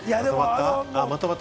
まとまった。